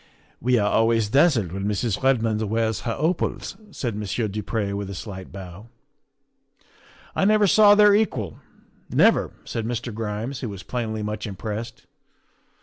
' We are always dazzled when Mrs. Redmond wears her opals," said Monsieur du Pre with a slight bow. ' I never saw their equal never," said Mr. Grimes, who was plainly much impressed.